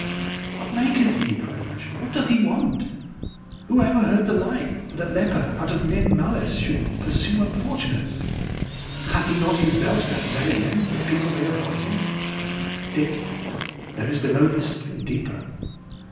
"What maketh he?" cried Matcham. "What doth he want? Who ever heard the like, that a leper, out of mere malice, should pursue unfortunates? Hath he not his bell to that very end, that people may avoid him? Dick, there is below this something deeper."